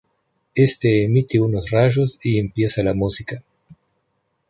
Éste emite unos rayos y empieza la música.